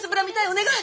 お願い！